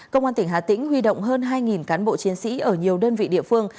công an tỉnh hà tĩnh huy động hơn hai cán bộ chiến sĩ ở nhiều đơn vị địa phương